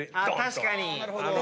確かに！